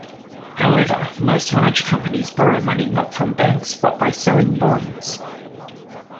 However most large companies borrow money not from banks, but by selling bonds.